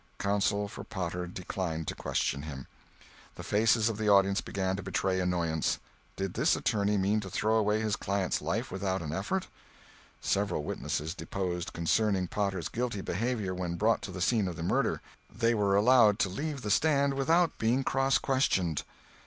Counsel for Potter declined to question him. The faces of the audience began to betray annoyance. Did this attorney mean to throw away his client's life without an effort? Several witnesses deposed concerning Potter's guilty behavior when brought to the scene of the murder. They were allowed to leave the stand without being cross questioned.